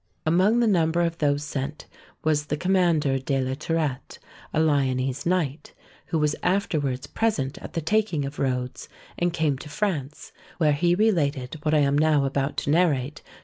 10 146 THE SEVEN WONDERS Among the number of those sent was the Commander de la Tourette, a Lyonese knight, who was afterwards present at the taking of Rhodes, and came to France where he related what I am now about to narrate to M.